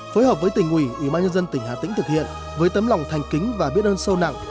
phối hợp với tỉnh ủy ubnd tỉnh hà tĩnh thực hiện với tấm lòng thành kính và biết ơn sâu nặng